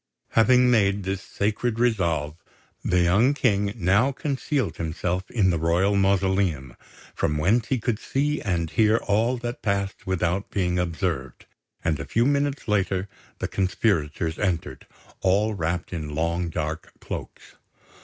Having made this sacred resolve, the young King now concealed himself in the royal mausoleum, from whence he could see and hear all that passed without being observed; and a few minutes later the conspirators entered, all wrapped in long dark cloaks.